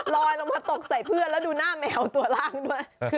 ลอยลงมาตกใส่เพื่อนแล้วดูหน้าแมวตัวล่างด้วย